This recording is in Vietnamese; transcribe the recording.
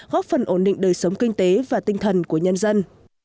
góp phần ổn định đời sống kinh tế và tinh thần của nhân dân